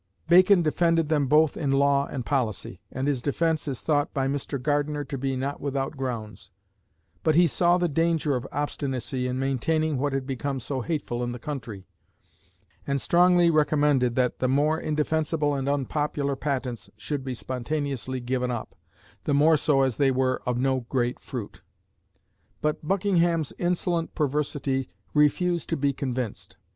Bacon defended them both in law and policy, and his defence is thought by Mr. Gardiner to be not without grounds; but he saw the danger of obstinacy in maintaining what had become so hateful in the country, and strongly recommended that the more indefensible and unpopular patents should be spontaneously given up, the more so as they were of "no great fruit." But Buckingham's insolent perversity "refused to be convinced."